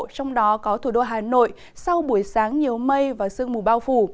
trong đó có thủ đô hà nội sau buổi sáng nhiều mây và sương mù bao phủ